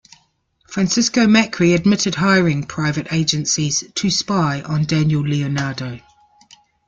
Francisco Macri admitted hiring private agencies to spy on Daniel Leonardo.